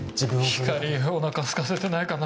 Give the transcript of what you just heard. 光莉お腹すかせてないかな。